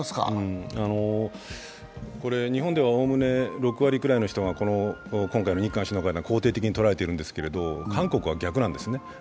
日本ではおおむね６割ぐらいの人が今回の日韓首脳会談を肯定的に捉えているんですけれども、韓国は逆なんですね。